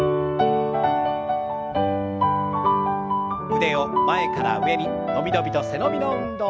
腕を前から上に伸び伸びと背伸びの運動。